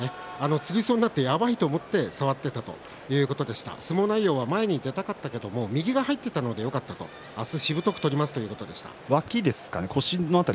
つりそうになってやばいと思って触っていた、相撲内容は前に出たかったけれども右が入ったのでよかった明日しぶとく取りますという話でした。